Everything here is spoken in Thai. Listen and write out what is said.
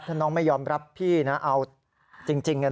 ถ้าน้องไม่ยอมรับพี่นะเอาจริง